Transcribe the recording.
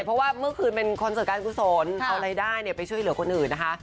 เพราะว่าเมื่อคืนเป็นคอนเสิร์ตการกุศลเอารายได้ไปช่วยเหลือคนอื่นนะคะ